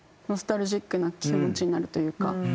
ノスタルジックな気持ちになるというか。